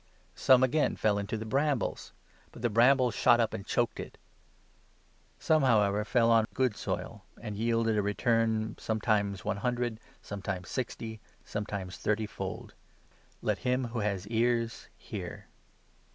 Some, again, feH into the brambles ; 7 but the brambles shot up and choked it. Some, however, fell 8 on good soil, and yielded a return, sometimes one hundred, sometimes sixty, sometimes thirty fold. Let him who 9 has ears hear."